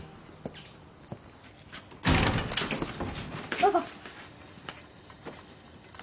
どうぞ。